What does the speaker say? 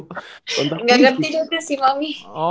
gak ngerti tuh sih mami